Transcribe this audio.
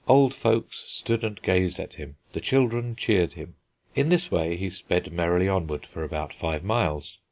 Old folks stood and gazed at him, the children cheered him. In this way he sped merrily onward for about five miles.